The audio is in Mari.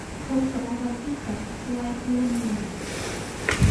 Шокшо ава кид гай лайык лум лумын.